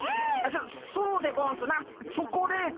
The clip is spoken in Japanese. そそうでゴンスなチョコレートとか。